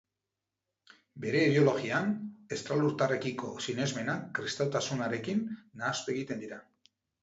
Bere ideologian estralurtarrekiko sinesmenak kristautasunarekin nahastu egiten dira.